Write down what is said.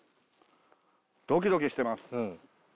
・ドキドキしてます